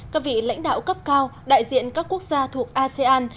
các vị lãnh đạo cấp cao đại diện các quốc gia thuộc asean